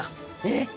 えっ？